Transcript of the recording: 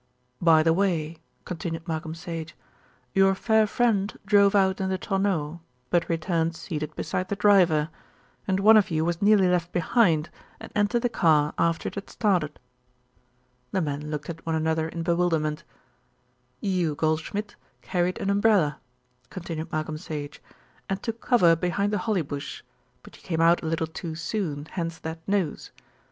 "By the way," continued Malcolm Sage, "your fair friend drove out in the tonneau; but returned seated beside the driver, and one of you was nearly left behind and entered the car after it had started." The men looked at one another in bewilderment. "You, Goldschmidt, carried an umbrella," continued Malcolm Sage, "and took cover behind the holly bush; but you came out a little too soon, hence that nose.